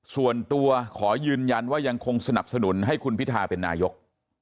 ส่วนตัวขอยืนยันว่ายังคงสนับสนุนให้คุณพิทาเป็นนายก